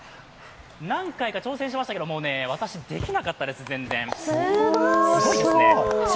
何回か挑戦しましたけど私、できなかったです、全然、すごいですね。